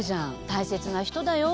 大切な人だよ。